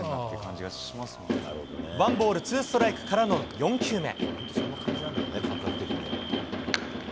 ワンボールツーストライクからの４球目。